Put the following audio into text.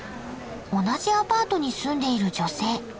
同じアパートに住んでいる女性。